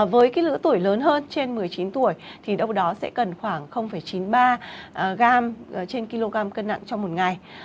với cái lứa tuổi lớn hơn trên một mươi chín tuổi thì đâu đó sẽ cần khoảng chín mươi ba g trên kg cân nặng trong một ngày